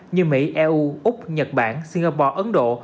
như mỹ eu úc nhật bản singapore ấn độ